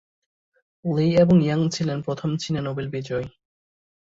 লি এবং ইয়াং ছিলেন প্রথম চীনা নোবেল বিজয়ী।